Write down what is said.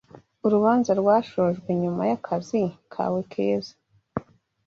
Urubanza rwashojwe nyuma yakazi kawe keza